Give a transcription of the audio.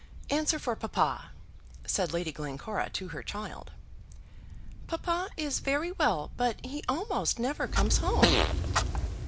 "Answer for papa," said Lady Glencora to her child. "Papa is very well, but he almost never comes home."